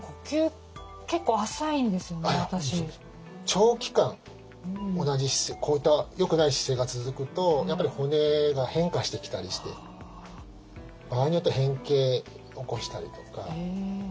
長期間同じ姿勢こういったよくない姿勢が続くとやっぱり骨が変化してきたりしてでもショックですね。